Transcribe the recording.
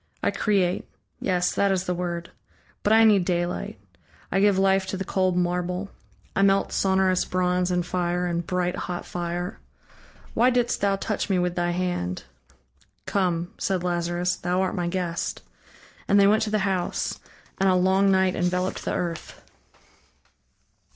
I create. Yes, that is the word ... but I need daylight. I give life to the cold marble, I melt sonorous bronze in fire, in bright hot fire.... Why didst thou touch me with thy hand?" "Come" said Lazarus "Thou art my guest." And they went to the house. And a long night enveloped the earth.